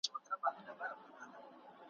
دا تُرابان دی د بدریو له داستانه نه ځي `